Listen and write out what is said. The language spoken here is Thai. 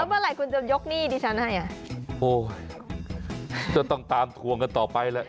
เมื่อไหร่คุณจะยกหนี้ดิฉันให้อ่ะโอ้ยก็ต้องตามทวงกันต่อไปแหละ